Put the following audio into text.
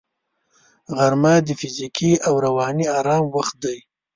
غرمه د فزیکي او رواني آرام وخت دی